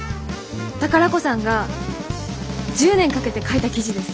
宝子さんが１０年かけて書いた記事です。